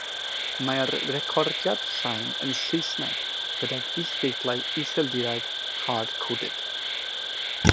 Mae'r recordiad sain yn Saesneg gydag isdeitlau Iseldireg 'hardcoded'